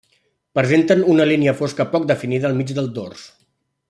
Presenten una línia fosca poc definida al mig del dors.